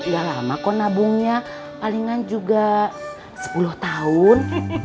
ya lama kok nabungnya palingan juga sepuluh tahun